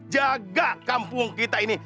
jaga kampung kita ini